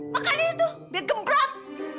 makanin itu biar gemprot